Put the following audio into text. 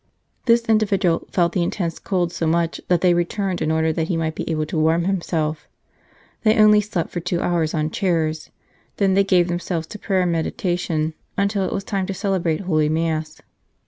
This individual felt the intense cold so much that they returned in order that he might be able to warm himself. They only slept for two hours on chairs. Then they 166 The Holy Winding Sheet gave themselves to prayer and meditation until it was time to celebrate Holy Mass.